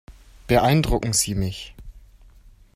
Beeindrucken Sie mich.